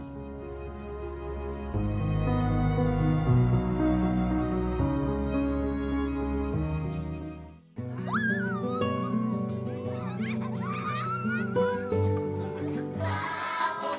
sebelum drobonya berakses kebeleran berlangsung